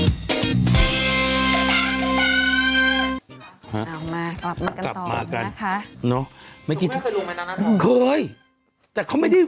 เอามากลับมากันต่อนะคะเนาะเมื่อกี้เคยแต่เขาไม่ได้